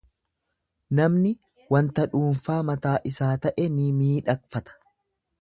Namni wanta dhuunfaa mataa isaa ta'e ni miidhagfata.